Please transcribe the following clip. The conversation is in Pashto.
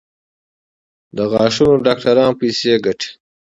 د غاښونو ډاکټران پیسې ګټي؟